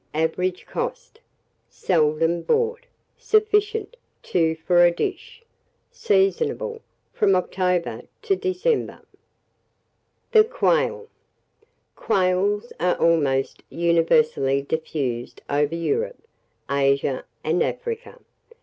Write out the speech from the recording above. Average cost. Seldom bought. Sufficient 2 for a dish. Seasonable from October to December. [Illustration: THE QUAIL.] THE QUAIL. Quails are almost universally diffused over Europe, Asia, and Africa.